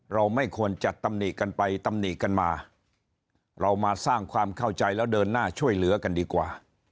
ไม่ควรจะตำหนิกันไปตำหนิกันมาเรามาสร้างความเข้าใจแล้วเดินหน้าช่วยเหลือกันดีกว่า